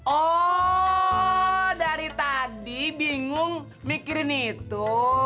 oh dari tadi bingung mikirin itu